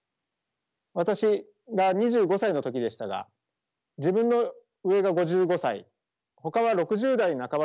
私が２５歳の時でしたが自分の上が５５歳ほかは６０代半ばという職場です。